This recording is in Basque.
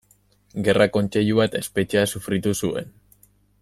Gerra-kontseilua eta espetxea sufritu zuen.